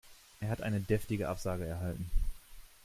Er hat eine deftige Absage erhalten.